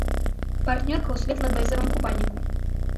Партнёрка ў светла-бэзавым купальніку.